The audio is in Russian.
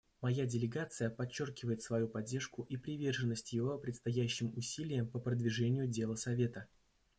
Моя делегация подчеркивает свою поддержку и приверженность его предстоящим усилиям по продвижению дела Совета.